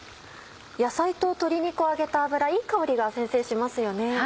野菜と鶏肉を揚げた油いい香りが先生しますよね。